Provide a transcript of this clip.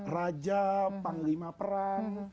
raja panglima peran